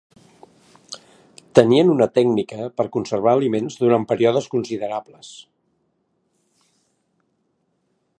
Tenien una tècnica per conservar aliments durant períodes considerables.